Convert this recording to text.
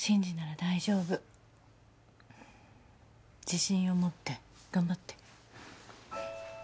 自信を持って頑張って。